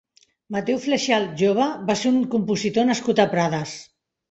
Mateu Fletxal Jove va ser un compositor nascut a Prades.